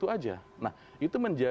silakan tanya tadi ooh temen temen